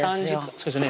そうですね